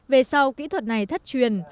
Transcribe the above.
về sau kỹ thuật này thất truyền